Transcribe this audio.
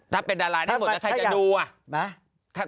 ถ้าเป็นดาราได้หมดแล้วใครจะดูอ่ะ